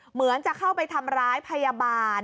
เหมือนจะเข้าไปทำร้ายพยาบาล